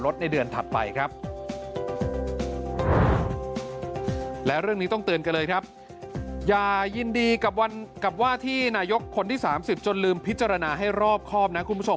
ที่นายกคนที่๓๐จนลืมพิจารณาให้รอบคอมนะคุณผู้ชม